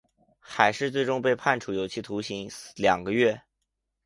海氏最终被判处有期徒刑两个月。